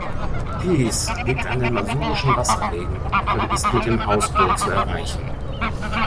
Pisz liegt an den masurischen Wasserwegen und ist mit dem Hausboot zu erreichen.